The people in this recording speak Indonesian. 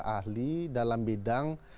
ahli dalam bidang